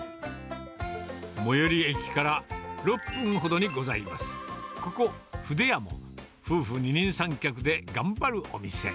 最寄駅から６分ほどにございます、ここ、筆やも夫婦二人三脚で頑張るお店。